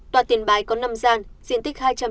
tòa tiền bái có năm gian diện tích hai trăm chín mươi m hai